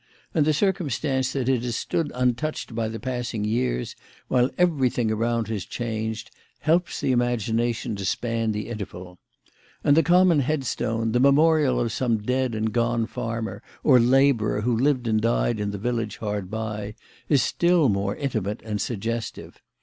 And the circumstance that it has stood untouched by the passing years while everything around has changed, helps the imagination to span the interval. And the common headstone, the memorial of some dead and gone farmer or labourer who lived and died in the village hard by, is still more intimate and suggestive.